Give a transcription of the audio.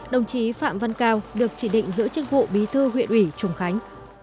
đồng chí phạm văn cao được chỉ định giữ chức vụ bí thư huyện ủy trùng khánh